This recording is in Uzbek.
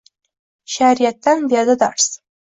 Shariatdan berdi dars.